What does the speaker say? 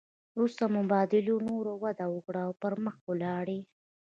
وروسته مبادلو نوره وده وکړه او پرمخ ولاړې